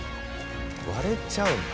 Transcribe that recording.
割れちゃうんだ。